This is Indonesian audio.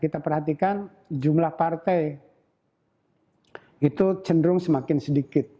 kita perhatikan jumlah partai itu cenderung semakin sedikit